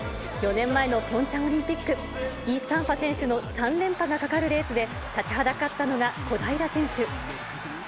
４年前のピョンチャンオリンピック、イ・サンファ選手の３連覇がかかるレースで、立ちはだかったのが小平選手。